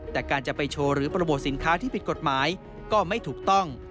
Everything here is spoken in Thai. แต่การจะไปโชว์หรือโปรโมทสินค้าที่ผิดกฎหมายก็ไม่ถูกต้อง